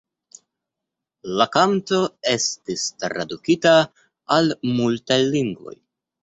La kanto estis tradukita al multaj lingvoj.